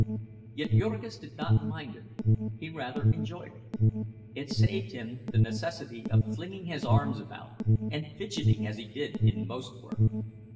Yet Jurgis did not mind it; he rather enjoyed it. It saved him the necessity of flinging his arms about and fidgeting as he did in most work.